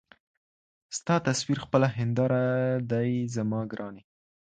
ستا تصوير خپله هينداره دى زما ګراني